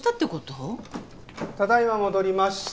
ただ今戻りました。